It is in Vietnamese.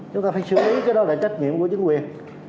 chúng ta phải xử lý cái đó là trách nhiệm của chính quyền